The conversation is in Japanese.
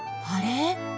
あれ？